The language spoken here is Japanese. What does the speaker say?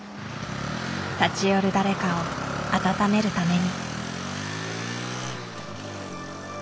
立ち寄る誰かを温めるために。